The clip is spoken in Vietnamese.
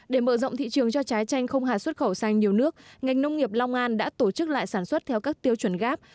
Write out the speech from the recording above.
để mở rộng thị trường cho trái chanh không hà xuất khẩu sang nhiều nước ngành nông nghiệp long an đã tổ chức lại sản xuất theo các tiêu chuẩn gáp